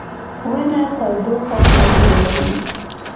• ونه تودوخه کنټرولوي.